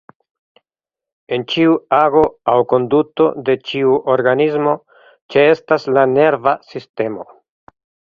En ĉiu ago aŭ konduto de ĉiu organismo ĉeestas la nerva sistemo.